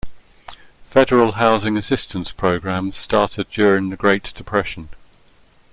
Federal housing assistance programs started during the Great Depression.